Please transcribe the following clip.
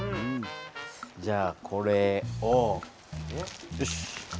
じゃあこれをよし。